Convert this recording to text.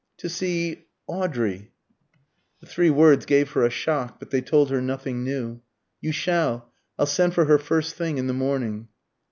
"To see Audrey." The three words gave her a shock, but they told her nothing new. "You shall. I'll send for her first thing in the morning."